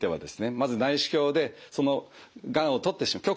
まず内視鏡でその局所のがんを取ってしまうと。